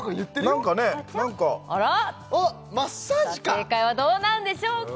さあ正解はどうなんでしょうか